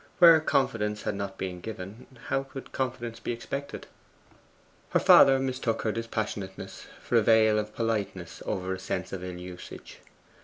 Where confidence had not been given, how could confidence be expected? Her father mistook her dispassionateness for a veil of politeness over a sense of ill usage.